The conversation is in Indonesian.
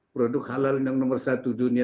produk halal yang nomor satu dunia